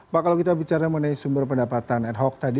pak kalau kita bicara mengenai sumber pendapatan ad hoc tadi